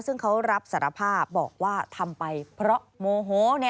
ซึ่งเขารับสารภาพบอกว่าทำไปเพราะโมโห